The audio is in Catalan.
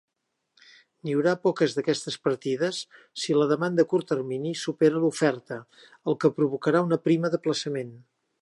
N'hi haurà poques d'aquestes partides si la demanda a curt termini supera l'oferta, el que provocarà una prima d'aplaçament.